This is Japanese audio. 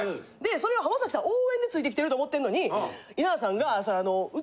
それを浜崎さん応援で付いて来てると思ってんのに稲田さんが。